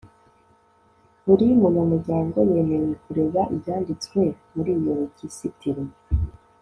buri munyamuryango yemerewe kureba ibyanditswe muri iyo regisitiri